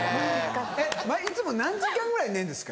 いつも何時間ぐらい寝るんですか？